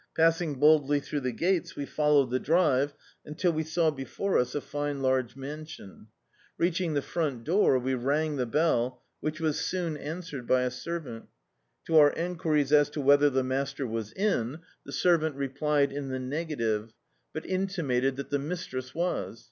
Passing boldly throu^ the gates we fol lowed the drive imtii we saw before us a fine large mansion. Reaching the front door we rang the bell, which was soon answered by a servant. To our enquiries as to whether the master was in the servant [3>4] D,i.,.db, Google Some Ways of Making a Living replied in the negative, but intimated that the mis tress was.